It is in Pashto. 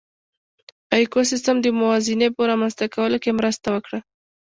ایکوسېسټم د موازنې په رامنځ ته کولو کې مرسته وکړه.